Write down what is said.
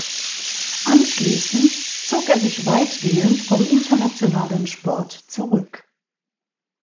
Anschließend zog er sich weitgehend vom internationalen Sport zurück.